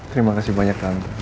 terima kasih banyak kamu